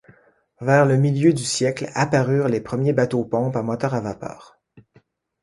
Vers le milieu du siècle apparurent les premiers bateaux-pompe à moteurs à vapeur.